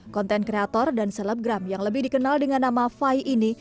konten kreator dan selebgram yang lebih dikenal dengan nama fai ini